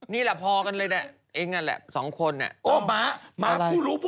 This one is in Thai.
ไม่ต้องไปยุ่งอะไรกันมากมาย